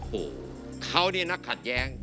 โอ้โหเขานี่นักขัดแย้ง